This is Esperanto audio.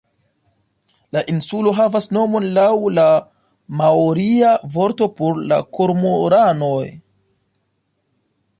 La insulo havas nomon laŭ la maoria vorto por la kormoranoj.